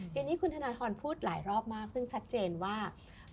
ทีนี้คุณธนทรพูดหลายรอบมากซึ่งชัดเจนว่า